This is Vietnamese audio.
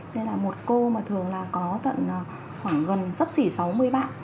nên là một cô mà thường là có tận khoảng gần sấp xỉ sáu mươi bạn